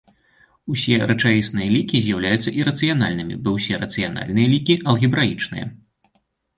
Усе рэчаісныя лікі з'яўляюцца ірацыянальнымі, бо ўсе рацыянальныя лікі алгебраічныя.